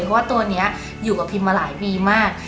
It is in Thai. เพราะว่าตัวนี้อยู่กับพิมมาหลายปีมาก